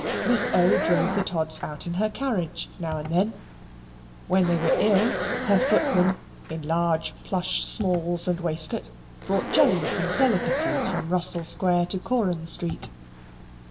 Miss O. drove the Todds out in her carriage now and then; when they were ill, her footman, in large plush smalls and waistcoat, brought jellies and delicacies from Russell Square to Coram Street.